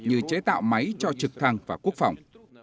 như chế tạo máy cho trực thăng và quốc phòng